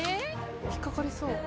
ひっかかりそう。